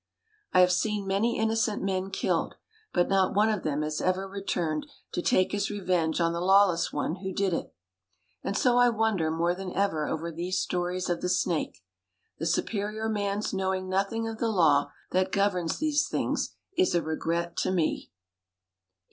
I have seen many innocent men killed, but not one of them has ever returned to take his revenge on the lawless one who did it, and so I wonder more than ever over these stories of the snake. The Superior Man's knowing nothing of the law that governs these things is a regret to me.